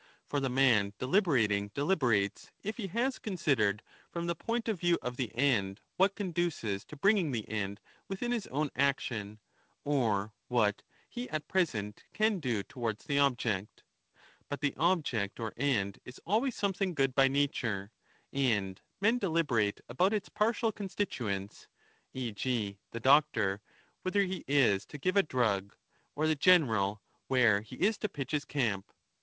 For the man deliberat ing deliberates if he has considered, from the point of view of the end, v/hat ^ conduces to bringing the end within his own action, or what he at present can do towards the object. But the object or end is always something good by nature, and men deliberate about its partial constituents, e. g. the doctor whether he is to give a drug, or the general where he 20 is to pitch his camp.